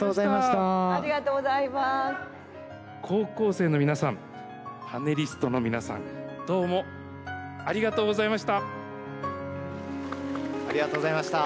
高校生の皆さんパネリストの皆さんどうもありがとうございました。